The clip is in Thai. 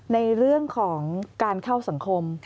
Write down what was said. ในเรื่องของการเข้าสังคม